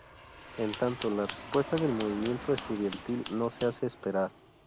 En tanto, la respuesta del movimiento estudiantil no se hace esperar.